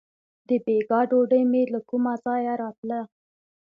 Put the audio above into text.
• د بېګا ډوډۍ مې له کومه ځایه راتله.